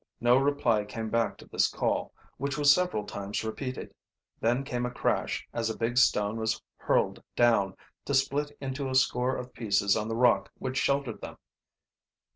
No reply came back to this call, which was several times repeated. Then came a crash, as a big stone was hurled down, to split into a score of pieces on the rock which sheltered them.